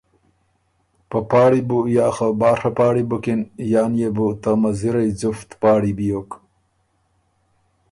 په پاړی بُو یا خه باڒه پاړی بُکِن یا نيې بُو ته مزِرئ ځفت پاړی بیوک